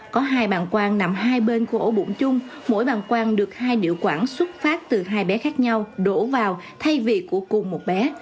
có hai bạn quan nằm hai bên khu ổ bụng chung mỗi bàn quang được hai điệu quảng xuất phát từ hai bé khác nhau đổ vào thay vì của cùng một bé